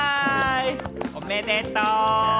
おめでとう！